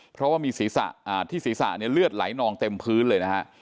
เพราะว่ามีศีรษะที่ศีรษะเนี่ยเลือดไหลนองเต็มพื้นเลยนะฮะ